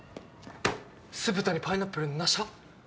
酢豚にパイナップルなし派？